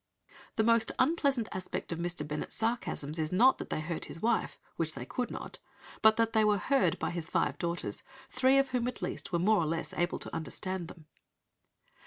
The most unpleasant aspect of Mr. Bennet's sarcasms is not that they hurt his wife, which they could not, but that they were heard by his five daughters, three of whom at least were more or less able to understand them.